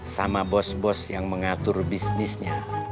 sama bos bos yang mengatur bisnisnya